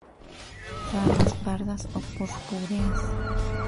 Ramas pardas o purpúreas.